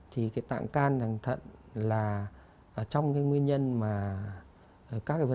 thì cái tạng can tạng thận là trong cái nguyên nhân mà